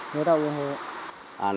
người ta ủng hộ